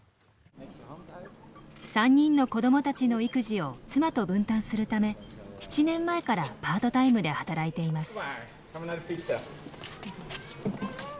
３人の子どもたちの育児を妻と分担するため７年前からパートタイムで働いています。